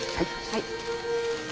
はい。